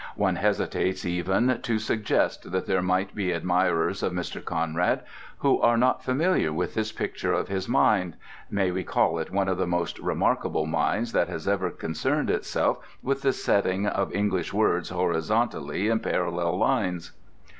One hesitates even to suggest that there may be admirers of Mr. Conrad who are not familiar with this picture of his mind—may we call it one of the most remarkable minds that has ever concerned itself with the setting of English words horizontally in parallel lines?